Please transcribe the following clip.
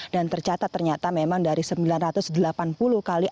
dan tercatat ternyata memang dari sembilan ratus delapan puluh kali aktivitas